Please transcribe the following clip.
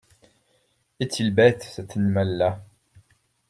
Est-il bête, cet animal-là !…